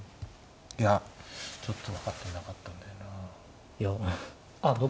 いやちょっと分かってなかったんだよなあ。